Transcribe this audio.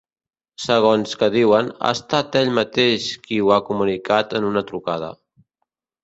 Segons que diuen, ha estat ell mateix qui ho ha comunicat en una trucada.